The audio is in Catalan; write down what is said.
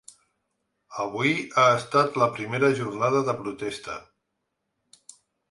Avui ha estat la primera jornada de protesta.